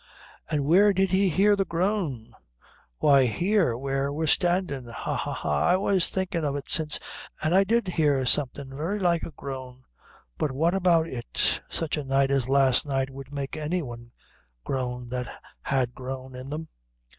ha!" "An' where did he hear the groan?" "Why, here where we're standin'. Ha! ha! ha! I was thinkin' of it since, an' I did hear somethin' very like a groan; but what about it? Sich a night as last night would make any one groan that had a groan in them."